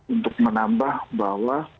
untuk menambah bahwa